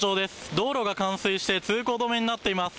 道路が冠水して通行止めになっています。